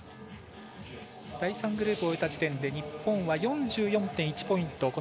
第３グループを終えた時点で日本は４４．１ポイント